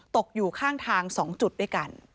ตกอยู่ข้างทาง๒จุดด้วยกัน